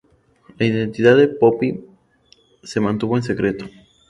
La identidad de Poppy se mantuvo en secreto.